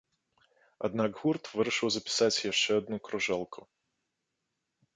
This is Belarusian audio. Аднак гурт вырашыў запісаць яшчэ адну кружэлку.